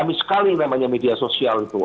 ramai sekali namanya media sosial itu